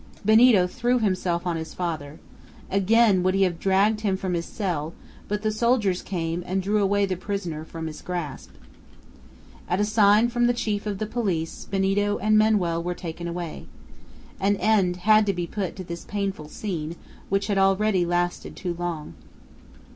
Benito threw himself on his father. Again would he have dragged him from his cell, but the soldiers came and drew away the prisoner from his grasp. At a sign from the chief of the police Benito and Manoel were taken away. An end had to be put to this painful scene, which had already lasted too long.